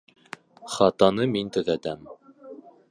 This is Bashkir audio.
Хатаны мин төҙәтәм